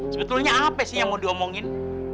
sebetulnya apa sih yang mau diomongin